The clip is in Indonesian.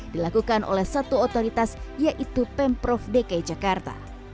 dilakukan oleh satu otoritas yaitu pemprov dki jakarta